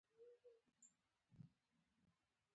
د مغولو په دور کي پښتنو مشرانو ته دا لقب ورکړل سو